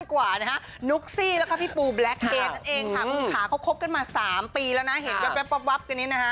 กว่านะฮะนุกซี่และค่ะพี่ปูแบล็คเฮดนั่นเองค่ะคุณสินค้าเขาคบกันมาสามปีแล้วนะเห็นวับตรงนี้นะคะ